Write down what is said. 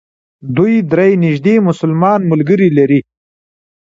دوی درې نژدې مسلمان ملګري لري.